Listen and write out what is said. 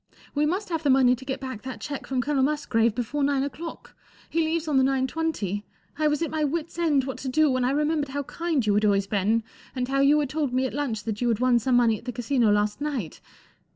We must have the money to get back that cheque from Colonel Musgrave before nine o'clock—he leaves on the nine twenty. I was at my wits' end what to do, when I remembered how kind you had always been and how you had told me at lunch that you had won some money at the Casino last night.